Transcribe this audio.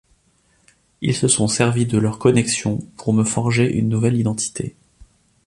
Ils se sont servis de leurs connexions pour me forger une nouvelle identité.